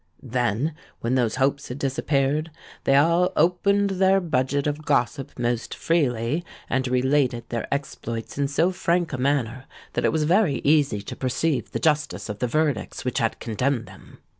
Then, when those hopes had disappeared, they all opened their budget of gossip most freely, and related their exploits in so frank a manner, that it was very easy to perceive the justice of the verdicts which had condemned them.